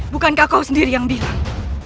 bukankah kau sendiri yang bilang